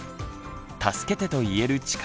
「助けて」と言える力